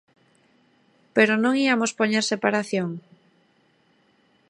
Pero no íamos poñer separación?